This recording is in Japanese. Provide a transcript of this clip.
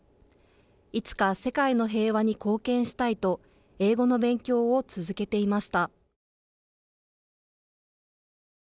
「いつか世界の平和に貢献したい」と英語の勉強を続けていました。